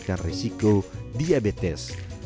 jangan lupa subscribe channel ini